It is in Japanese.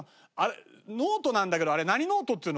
ノートなんだけどあれ何ノートっつうの？